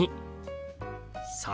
「３」。